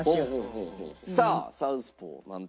さあ『サウスポー』なんと。